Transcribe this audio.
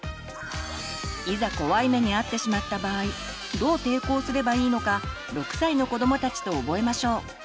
いざ怖い目にあってしまった場合どう抵抗すればいいのか６歳の子どもたちと覚えましょう。